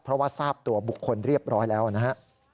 เพราะว่าทราบตัวบุคคลเรียบร้อยแล้วนะฮะ